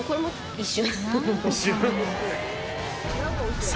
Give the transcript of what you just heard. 一瞬？